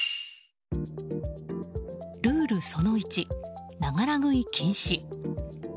その１、ながら食い禁止。